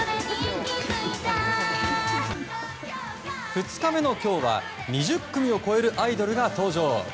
２日目の今日は２０組を超えるアイドルが登場。